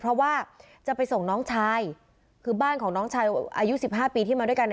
เพราะว่าจะไปส่งน้องชายคือบ้านของน้องชายอายุสิบห้าปีที่มาด้วยกันเนี่ย